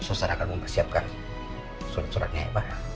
nanti susah rakan mempersiapkan surat suratnya ya pak al